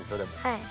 はい。